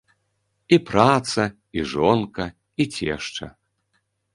І праца, і жонка, і цешча.